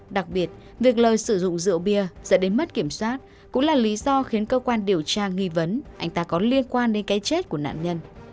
đặc biệt việc lời sử dụng rượu bia dẫn đến mất kiểm soát cũng là lý do khiến cơ quan điều tra nghi vấn anh ta có liên quan đến cái chết của nạn nhân